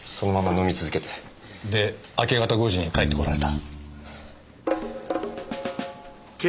で明け方５時に帰ってこられた。